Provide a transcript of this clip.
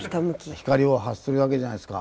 光を発するわけじゃないですか。